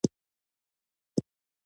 کعبه یې له بتانو پاکه کړه.